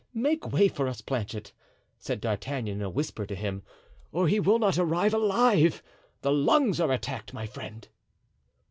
"Make way for us, Planchet," said D'Artagnan in a whisper to him, "or he will not arrive alive; the lungs are attacked, my friend."